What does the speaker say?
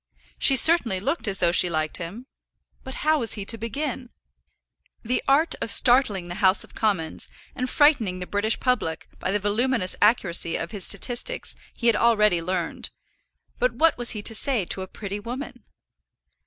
She certainly looked as though she liked him; but how was he to begin? The art of startling the House of Commons and frightening the British public by the voluminous accuracy of his statistics he had already learned; but what was he to say to a pretty woman?